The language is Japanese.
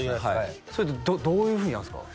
それってどういうふうにやるんですか？